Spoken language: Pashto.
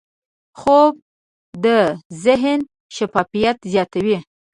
خوب د ذهن شفافیت زیاتوي